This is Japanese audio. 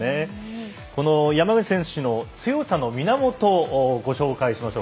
この山口選手の強さの源をご紹介しましょう。